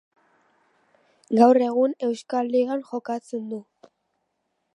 Gaur egun Euskal Ligan jokatzen du.